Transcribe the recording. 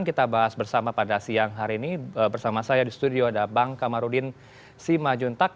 kita bahas bersama pada siang hari ini bersama saya di studio ada bang kamarudin simajuntak